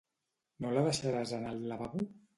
No la deixaràs anar al lavabo?